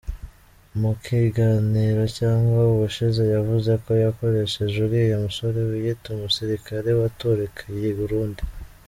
Mukiganiro cy ubushize yavuze ko yakoresheje uriya musore wiyita umusirikare watorokeye iburundi.